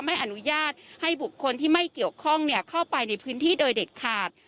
ไม่อนุญาตให้บุคคลที่ไม่เกี่ยวข้องเข้าไปในพื้นที่โดยเด็ดขาด